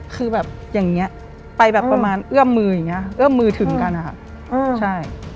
คือแบบอย่างเงี้ยไปแบบประมาณเอื้อมมืออย่างเงี้เอื้อมมือถึงกันนะคะใช่